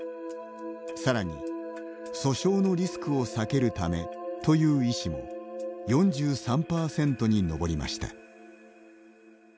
さらに「訴訟のリスクを避けるため」という医師も４３％に上りました。